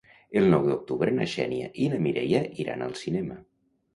El nou d'octubre na Xènia i na Mireia iran al cinema.